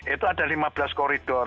itu ada lima belas koridor